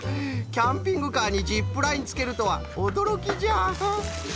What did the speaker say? キャンピングカーにジップラインつけるとはおどろきじゃ。